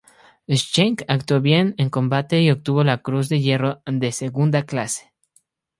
Schenck actuó "bien" en combate y obtuvo la Cruz de Hierro de segunda clase.